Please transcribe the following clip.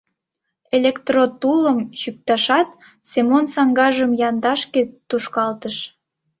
Электротулым чӱктышат, Семон саҥгажым яндашке тушкалтыш.